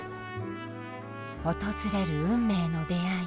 訪れる運命の出会い。